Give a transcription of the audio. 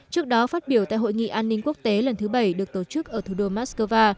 trước đó phát biểu tại hội nghị an ninh quốc tế lần thứ bảy được tổ chức ở thủ đô moscow